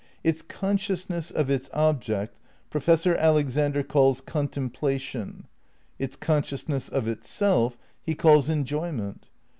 Its consciousness of its object Professor Alexander calls "contemplation"; its con sciousness of itself he calls "enjoyment."